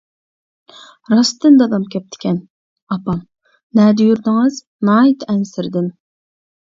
راستتىن دادام كەپتىكەن، ئاپام:-نەدە يۈردىڭىز؟ ناھايىتى ئەنسىرىدىم.